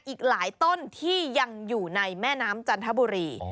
อีกหลายต้นที่ยังอยู่ในแม่น้ำจันทบุรี